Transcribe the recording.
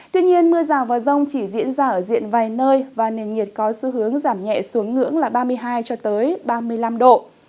tuy nhiên mưa rào và rông chỉ diễn ra ở diện vài nơi và nền nhiệt có xu hướng giảm nhẹ xuống ngưỡng là ba mươi hai ba mươi năm độ